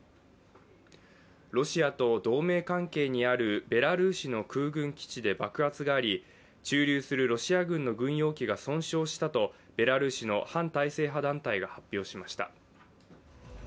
ロシアと同盟関係にあるベラルーシの空軍基地で爆発があり駐留するロシア軍の軍用機が損傷したとベラルーシの反体制派団体が発表しました。